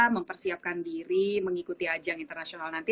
mempersiapkan diri mengikuti ajang internasional nanti